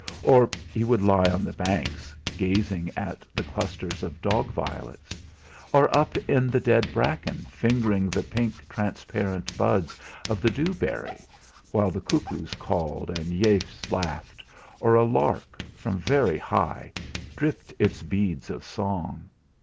Or he would lie on the banks, gazing at the clusters of dog violets, or up in the dead bracken, fingering the pink, transparent buds of the dewberry, while the cuckoos called and yafes laughed, or a lark, from very high, dripped its beads of song.